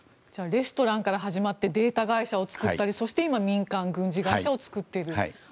レストランから始まってデータ会社を作ったりそして、今民間軍事会社を作っている。